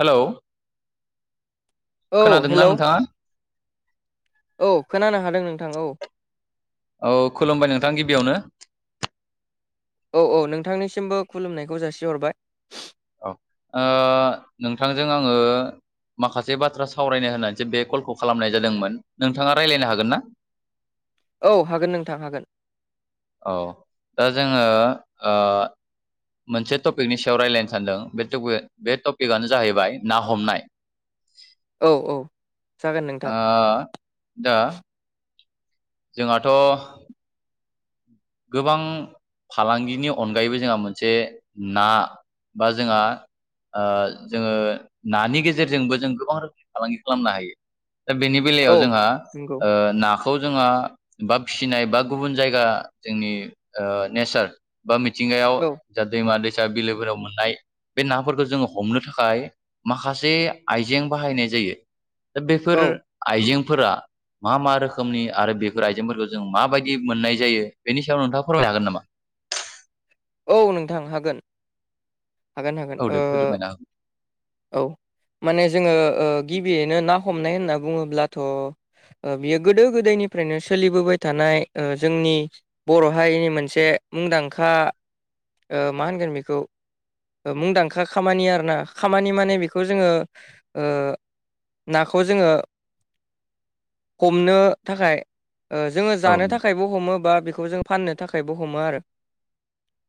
Hello. औ खोनादोंना hello नोंथाङा? औ खोनानो हादों नोंथां औ औ खुलुमबाय नोंथां गिबियावनो औ औ नोंथांनिसिमबो खुलुमनायखौ जासिहरबाय औ ओ नोंथांजों आङो माखासे बाथ्रा सावरायनो होननानैसो बे कलखौ खालामनाय जादोंमोन नोंथाङा रायलायनो हागोन ना। [inaudible] औ हागोन नोंथां हागोन। औ दा जोङो ओ मोनसे टपिकनि सायाव रायज्लायनो सानदों बेटपि बे टपिकआनो जाहैबाय ना हमनाय औ औ जागोन नोंथां आ दा जोंहाथ' गोबां फालांगिनि अनगायैबो जोंहा मोनसे ना बा जोंहा ओ जोङो नानि गेजेरजोंबो जों गोबां रोखोमनि फालांगि खालामनो हायो। दा बेनि औ बेलायाव जोंहा नंगौ ओ ना खौ जोंहा बा फिसिनाय बा गुबुन जायगा जोंनि ओ नेचार बा मिथिंगायाव औ जा दैमा दैसा बिलोफोराव मोननाय बे नाफोरखौ जोङो हमनो थाखाय माखासे आइजें बाहायनाय जायो दा बेफोर औ आइजेंफोरा मा मा रोखोमनि आरो बेफोर आइजेंफोरखौ जों माबायदि मोननाय जायो बेनि सायाव नोंथाङा फोरमायनो हागोन नामा औ नोंथां हागोन-हागोन-हागोन औ दे ओ फोरमायना हो औ माने जोङो ओ गिबियैनो ना हमनाय होनना बुङोब्लाथ' ओ बियो गोदो गोदायनिफ्रायनो सोलिबोबाय थानाय ओ जोंनि बर' हारिनि मोनसे मुंदांखा ओ मा होनगोन बेखौ मुंदांखा खामानि आरोना खामानि माने बेखौ जोङो ओ नाखौ जोङो हमनो थाखाय जोङो औ जानो नंगौ थाखायबो हमो बा बेखौ जों फाननो थाखायबो हमो आरो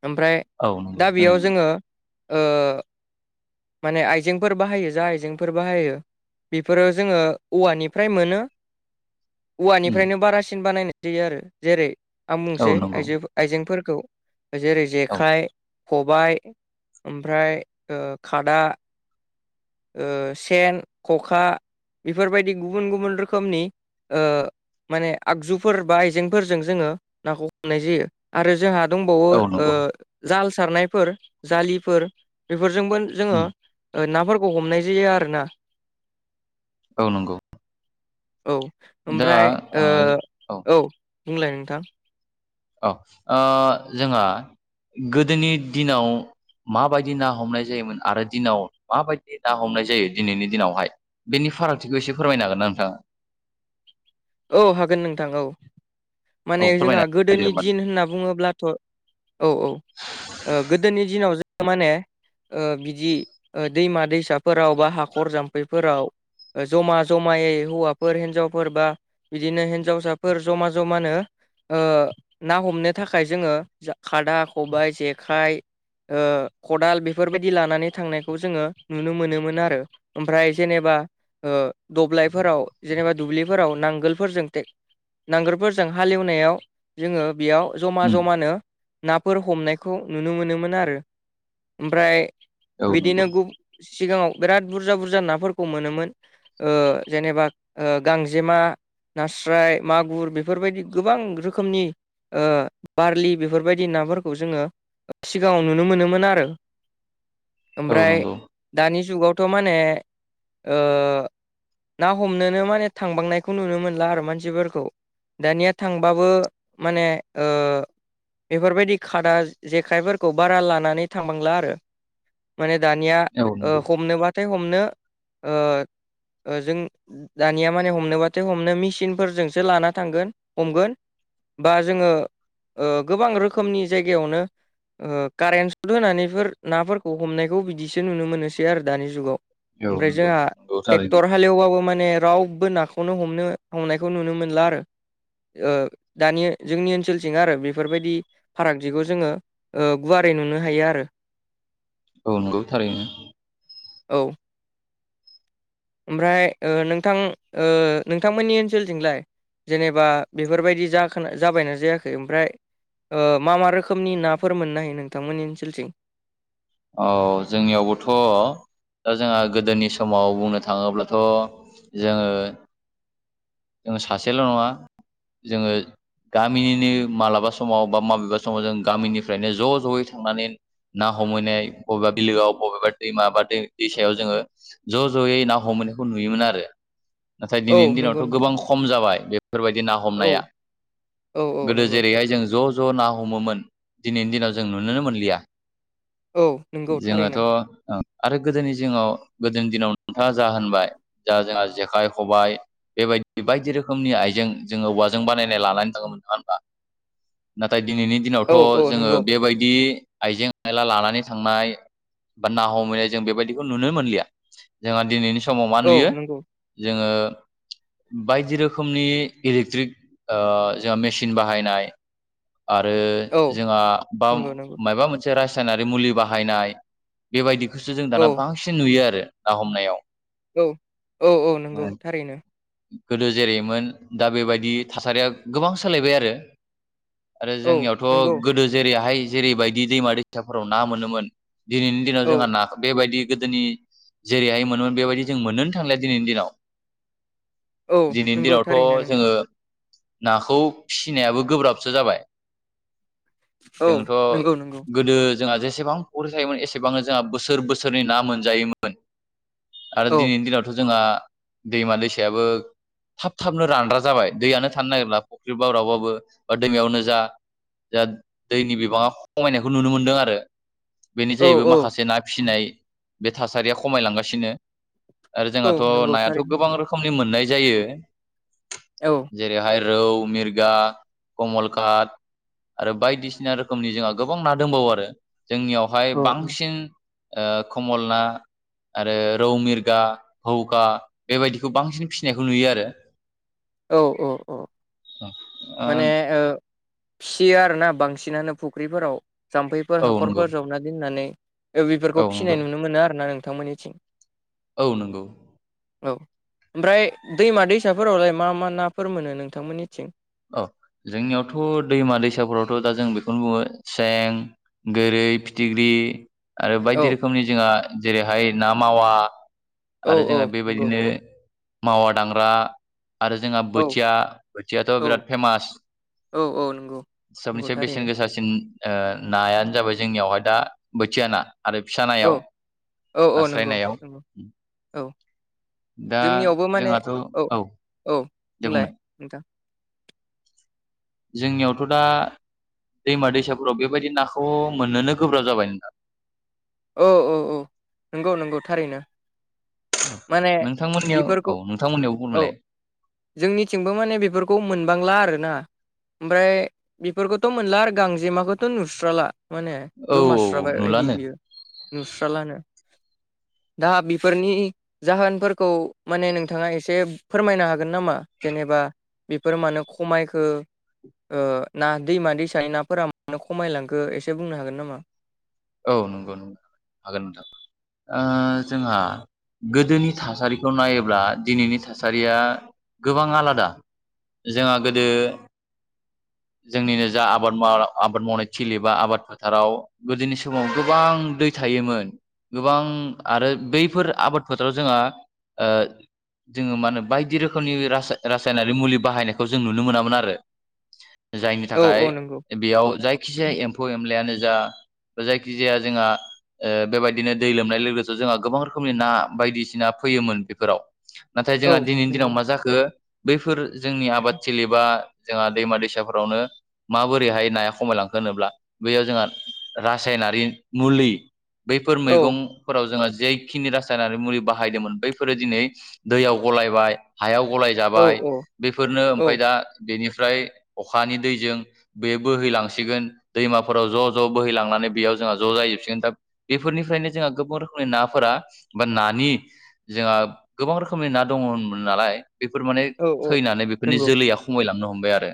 ओमफ्राय औ नंगौ दा बेयाव थारैनो जोङो ओ माने आइजेंफोर बाहायो जा आइजेंफोर बाहायो बेफोरो जोङो औवानिफ्राय मोनो उम औवानिफ्रायनो बारासिन बानायनाय जायो आरो जेरै आं औ बुंसै नंगौ आइजो आइजेंफोरखौ जेरै औ जेखाइ खबाय ओमफ्राय ओ खादा ओ सेन ख'खा बेफोरबायदि गुबुन-गुबुन रोखोमनि ओ माने आगजुफोर बा आइजेंफोरजों जोङो नाखौ हमनाय जायो आरो जोंहा दंबावो औ ओ नंगौ जाल सारनायफोर जालिफोर बेफोरजोंबो जोङो उम ओ नाफोरखौ हमनाय जायो आरो ना। औ नंगौ औ दा ओमफ्राय ओ औ बुंलाय नोंथां। औ ओ जोंहा गोदोनि दिनाव माबायदि ना हमनाय जायोमोन आरो दिनाव माबायदि ना हमनाय जायो दिनैनि दिनावहाय बेनि फारागथिखौ एसे फोरमायनो हागोन ना नोंथाङा औ हागोन नोंथां औ औ माने जोंहा फोरमायना गोदोनि दिन होनना बुङोब्लाथ' औ औ ओ गोदोनि दिनाव जों माने बिदि दैमा दैसाफोराव बा हाखर जाम्फैफोराव ओ जमा जमायै हौवाफोर हिन्जावफोर बा बिदिनो हिनजावसाफोर ज'मा ज'मानो ओ ना हमनो थाखाय जोङो खादा खबायाइ जेखाइ ओ खदाल बेफोरबायदि लानानै थांनायखौ जोङो नुनो मोनोमोन आरो ओमफ्राय जेनेब ओ दब्लायफोराव जेनेबा दुब्लिफोराव नां नांगोलफोरजों टेक नांगोलफोरजों हालेवनायाव जोङो बेयाव ज'मा-ज'मानो नाफोर हमनायखौ नुनो मोनोमोन आरो ओमफ्राय होदो होमबा उम औ नंगौ बिदिनो गुब सिगाङाव बिराद बुरजा-बुरजा नाफोरखौ मोनोमोन। ओ जेनेबा ओ गांजेमा नास्राय मागुर बेफोरबायदि गोबां रोखोमनि ओ बारलि बेफोरबायदि नाफोरखौ जोङो सिगाङाव नुनो मोनोमोन आरो [inaudible] ओमफ्राय नंगौ दानि जुगावथ' माने ओ‌ ना हमनोनो माने थांबांनाय खौ नुनो मोनला आरो मानसिफोरखौ दानिया थांबाबो माने ओ बेफोरबायदि खादा जेखाइफोरखौ बारा लानानै थांबांला आरो माने दानिया औ ओ नंगौ हमनोबा हथाय हमनो ओ जों दानिया माने हमनोबा जों हमनो मेसिनफोरजोंसो लाना थांगोन हमगोन बा जोङो ओ गोबां रोखोमनि जायगायावनो ओ कारेन्ट सट होनानैफोर नाफोरखौ हमनायखौ बिदिसो नुनो मोनोसै आरो दानि जुगाव। औ ओमफ्राय नंगौ जोंहा नंगौ थारैनो ट्रेक्टर हालेवबाबो माने रावबो ना खौनो हमनो हमनायखौ नुनो मोनला आरो ओ दानि जोंनि ओनसोलथिं आरो बेफोरबायदि फारागथिखौ जोङो गुवारै नुनो हायो आरो। औ नंगौ थारैनो औ ओमफ्राय ओ नोंथां ओ नोंथांमोननि ओनसोलथिंलाय? जेनेबा बेफोरबायदि जा जाबायना जायाखै ओमफ्राय ओ मा मा रोखोमनि नाफोर मोननो हायो नोंथांमोननि ओनसोलथिं? औ जोंनियावबोथ' दा जोंहा गोदोनि समाव बुंनो थाङोब्लाथ' जोङो जों सासेल' नङा जोङो गामिनिनो मालाबा समाव बा माबेबा समाव जों गामिनिफ्रायनो ज' ज'यै थांनानै ना हमहैनाय बबेबा बिलोआव बबेबा दैमा बा दै दैसायाव जोङो ज' ज'यै ना हमैनायखौ नुयोमोन आरो नाथाय औ दिनैनि नंगौ दिनावथ' नोंथां गोबां खम जाबाय बे फोरबायदि ना औ हमनाया औ औ गोदो नंगौ जेरैहाय जों ज' ज' ना हमोमोन दिनैनि दिनाव जों नुुनोनो मोनलिया। औ नंगौ जोङोथ' थारैनो आरो गोदोनि जिङाव गोदोनि दिनाव नोंथाङा जा होनबाय जा जोंहा जेखाइ, ख'बाइ बेबायदि बायदि रोखोमनि आइजें जोङो औवाजों बानायनानै लानानै थाङोमोन नङा होनबा नाथाय दिनैनि औ दिनावथ' औ जोङो नंगौ बेबायदि आइजें आयला लानानै थांनाय बा ना हमहैनाय जों बेबायदिखौ नुनो मोनलिया जोंहा दिनैनि समाव मा औ नुयो नंगौ जोङो बायदि रोखोमनि इलेक्ट्रिक ओ जोंहा मेसिन बाहायनाय आरो औ जोंहा बा नंगौ नंगौ माबा मोनसे रासायनारि मुलि बाहायनाय बेबायदिखोसो जों औ दाना बांसिन नुयो आरो ना हमनायाव। औ औ औ नंगौ थारैनो गोदो जेरैमोन दा बेबायदि थासारिया गोबां सोलायबाय आरो आरो औ जोंनियावथ' नंगौ गोदो जेरैहाय जेरैबायदि दैमा दैसाफोराव ना मोनोमोन दिनैनि दिनाव औ जोंहा नाखौ बेबायदि गोदोनि जेरैहाय मोनोमोन बेबायदि जों मोननोनो थांलिया दिनैनि दिनाव। औ दिनैनि नंगौ दिनावथ' थारैनो नोंथां जोंङो नाखौ फिसिनायाबो गोब्राबसो जाबाय। औ जोंथ' नंगौ नंगौ गोदो जोंहा जेसेबां फख्रि थायोमोन एसेबांनो जोंहा बोसोर बोसोरनि ना मोनजायोमोन आरो औ दिनैनि दिनावथ' जोंहा दैमा दैसायाबो थाब थाबनो रानग्रा जाबाय दैयानो थानो नागिरला फुख्रि बाव रावबाबो बा दैमायावनो जा जाट दैनि बिबाङा खमायनायखौ नुनो मोनदों आरो। बेनि औ जाहैबो औ माखासे ना फिसिनाय बे थासारिया खमायलांगासिनो। आरो औ जोंहाथ' नंगौ नायाथ' थारैनो गोबां रोखोमनि मोननाय जायो। औ जेरैहाय रौ मिरगा कमलकात आरो बायदिसिना रोखोमनि जोंहा गोबां ना दंबावो आरो जोंनियावहाय औ बांसिन कमलना आरो रौ मिरगा हौखा बेबायदि बेखौ बांसिन फिसिनायखौ नुयो आरो। औ औ। औ [unintelligible] माने ओ फियो आरोना बांसिनानो फुख्रिफोराव। जाम्फैफोर औ नंगौ हाखरफोर जावना दोननानै औ बेफोरखौ फिसिनाय नंगौ नुनो मोनो आरो ना नोंथांमोननिथिं। औ नंगौ। औ ओमफ्राय दैमा दैसाफोरावलाय मा मा नाफोर मोनो नोंथांमोननिथिं? औ जोंनियावथ' दैमा दैसाफोरावथ' दा जों बेखौनो बुंङो सें गोरै फिथिख्रि आरो औ बायदि रोखोमनि जोंहा जेरैहाय ना मावा औ आरो औ जोंहा नंगौ बेबायदिनो मावा दांग्रा आरो जोंहा औ बोथिया बोथिया औ बिराद फेमास औ औ नंगौ नंगौ सबनिसे बेसेन थारैनो गोसा सासिन नायानो जाबाय जोंनियावहाय दा बोथिया ना। आरो फिसा औ नायाव औ औ नास्राय नंगौ नायाव नंगौ औ दा जोंनियावबो माने औ औ दे बुंलाय बुंनाय नोंथां। जोंनियावथ' दा दैमा दैसाफोराव बेबायदि नाखौ मोननोनो गोब्राब जाबाय नोंथां। औ औ औ नंगौ नंगौ थारैनो। माने नोंथांमोननियाव बेफोरखौ औ नोंथांमोननियाव औ बुंमोनलाय। जोंनिथिंबो माने बेफोरखौ मोनबांला आरोना। ओमफ्राय बेफोरखौथ' मोनला आरो गांजेमाखौथ' नुस्राला। माने औ औ गोमास्राबाय बायदि नुलानो बियो नुस्रालानो। दा बेफोरनि जाहोनफोरखौ माने नोंथाङा एसे फोरमायनो हागोन नामा जेनेबा बेफोर मानो खमायखो? ओ ना दैमा दैसानि नाफोरा मानो खमायलांखो एसे बुंनो हागोन नामा? औ नंगौ न हागोन नोंथां ओ जोंहा गोदोनि थासारिखौ नायोब्ला दिनैनि थासारिया गोबां आलादा। जोंहा गोदो जोंनिनो जा आबाद माव आबाद मावनाय थिलि बा आबाद फोथाराव गोदोनि समाव गोबां दै थायोमोन गोबां आरो बैफोर आबाद फोथाराव जोंहा ओ जोंङो मा होनो बायदि रोखोमनि रासाय रासायनारि मुलि बाहायनायखौ जों नुनो मोनामोन आरो। जायनि औ औ थाखाय नंगौ बेयाव जायखिजाया एम्फौ एनलायानो जा जायखिजाया जोंहा ओ बेबायदिनो दै लोमनाय लोगो लोगोसे जोंहा गोबां रोखोमनि ना बायदिसिना फैयोमोन बेफोराव। नाथाय औ जोंहा दिनैनि दिनाव नंगौ मा जाखो बैफोर जोंनि आबादथिलि बा जोंहा दैमा-दैसाफोरावनो माबोरैहाय नाया खमायलांखो होनोब्ला बेयाव जोंहा रासायनारि मुलि बैफोर औ मैगं फोराव जोङो जेखिनि रासायनारि मुलि बाहायदोंमोन बैफोरो दिनै दैयाव गलायबाय हायाव औ गलायजाबाय औ बेफोरनो औ ओमफाय दा बेनिफ्राय अखानि दैजों बे बोहैलांसिगोन दैमाफोराव ज ज बोहैलांनानै बेयाव जोंहा ज जाहैजोबसिगोन दा बेफोरनिफ्रायनो जोंहा गोबां रोखोमनि नाफोरा बा नानि जोंहा गोबां रोखोमनि ना दङमोन नालाय बेफोर माने औ औ थैनानै बेफोरनि नंगौ जोलैया खमायलांनो हमबाय आरो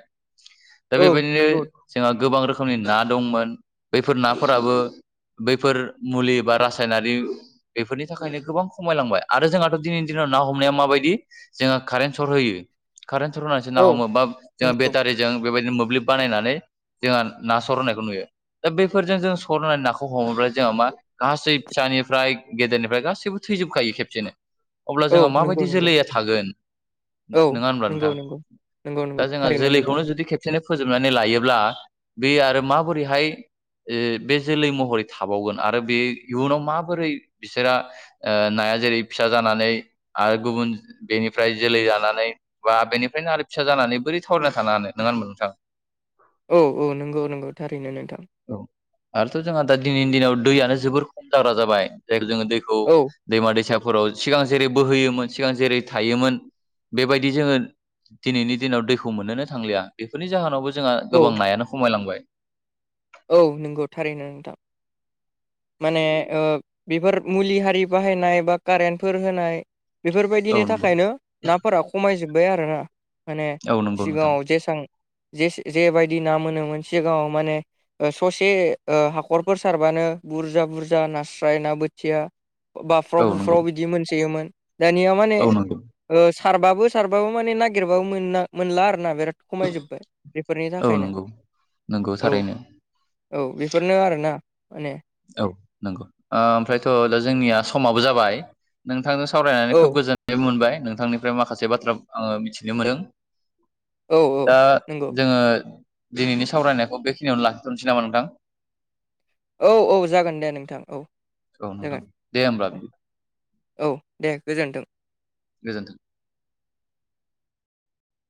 दा औ बेबायदिनो नंगौ जोंहा गोबां रोखोमनि ना दंमोन बैफोर नाफोराबो बैफोर मुलि बा रासायनारि बेफोरनि थाखायनो गोबां खमायलांबाय आरो जोंहाथ' दिनैनि दिनाव ना हमनाया माबायदि जोङो कारेन्ट सर्ट होयो कारेन्ट सर्ट होनानैसो ना औ हमो बा जोङा बेटारि जों बेबायदिनो मोब्लिब बानायनानै जोंहा ना सर होननायखौ नुयो। दा बेफोरजों जों सर होननानै नाखौ हमोब्ला जोंहा मा गासै फिसानिफ्राय गेदेरनिफ्राय गासैबो थैजोबखायो खेबसेनो। अब्ला औ जोंहा नंगौ माबायदि नंगौ जोलैया थागोन औ नङा होनब्ला नंगौ नोंथां? नंगौ नंगौ नंगौ दा जोंहा थारैनो नोंथां जोलैखौनो जुदि खेब खेबसेनो फोजोबनानै लायोब्ला बे आरो माबोरैहाय बे जोलै महरै थाबावगोन आरो बे इयुनाव माबोरै बिसोरा ओ नाया जेरै फिसा जानानै आरो गुबुन बेनिफ्राय जोलै जानानै बा बेनिफ्रायनो आरो फिसा जानानै बोरै थावरिना थानो हानो नङा होमबा नोंथां। औ औ नंगौ नंगौ थारैनो नोंथां। औ आरोथ' जोंहा दा दिनैनि दिनाव दैयानो जोबोर खम जाग्रा जाबाय जायखौ जोङो दैखौ औ दैमा दैसाफोराव सिगां जेरै बोहोयोमोन सिगां जेरै थायोमोन बेबायदि जोङो दिनैनि दिनाव दैखौ मोननोनो थांलिया बेफोरनि जाहोनावबो जोंहा औ गोबां नायानो खमायलांबाय। औ नंगौ थारैनो नोंथां। माने ओ बेफोर मुलि हारि बाहायनाय बा कारेन्टफोर होनाय बेफोरबायदिनि औ नंगौ थाखायनो नाफोरा खमायजोब्बाय आरो ना। माने औ नंगौ नोंथां सिगाङाव जेसां जे जेबायदि ना मोनोमोन सिगाङाव माने ओ ससे ओ हाखरफोर सारबानो बुरजा बुरजा नास्राय ना बोथिया औ नंगौ बाफ्राव-बुफ्राव बिदि मोनसोयोमोन दानिया माने औ नंगौ ओ सारबाबो सारबाबो माने नागिरबाबो मोना मोनला आरो ना बिराद। खमायजोब्बाय बेफोरनि औ थाखायनो नंगौ नंगौ औ। थारैनो औ बेफोरनो आरोना माने। औ नंगौ ओ ओमफ्रायथ' दा जोंनिया समाबो जाबाय नोंथांजों सावरायनानै औ खोब गोजोन जे मोनबाय नोंथांनिफ्राय माखासे बाथ्रा आङो मिथिनो मोनदों। औ औ दा नंगौ जोङो दिनैनि सावरायनायखौ बेखिनियावनो लाखिथ'नोसै नामा नोंथां। औ औ जागोन दे नोंथां औ। औ नोंथां जागोन दे होमबा। औ औ दे गोजोनथों। गोजोन्थों।